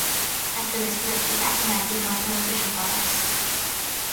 After they split, the actinides become a pair of fission products.